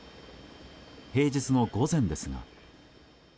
平日の午前ですが。